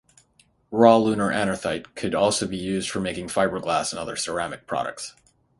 Raw lunar anorthite could also be used for making fiberglass and other ceramic products.